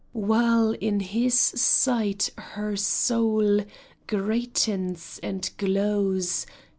While in his sight her soul Greatens and glows.